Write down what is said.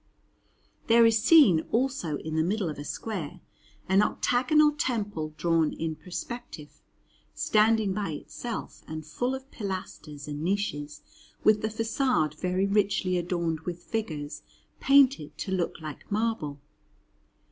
There is seen, also, in the middle of a square, an octagonal temple drawn in perspective, standing by itself and full of pilasters and niches, with the façade very richly adorned with figures painted to look like marble.